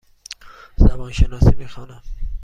زبان شناسی می خوانم.